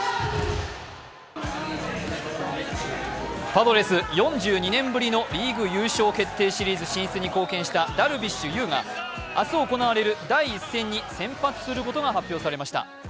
パドレス４２年ぶりのリーグ優勝決定シリーズに貢献したダルビッシュ有が明日行われる第１戦に先発することが発表されました。